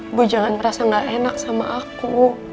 ibu jangan merasa gak enak sama aku